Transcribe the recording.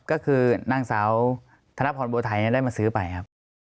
ก็คือนางสาวธนพรบัวไทยได้มาซื้อไปครับ